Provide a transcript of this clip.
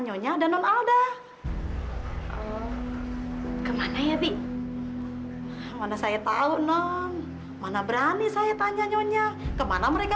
nyonya dan non alda kemana heavy mana saya tahu non mana berani saya tanya nyonya kemana mereka